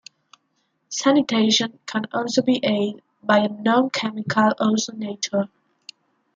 Sanitation can also be aided by a non-chemical ozonator.